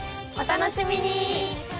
お楽しみに！